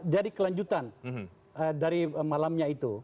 jadi kelanjutan dari malamnya itu